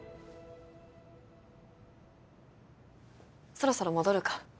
そろそろ戻るか。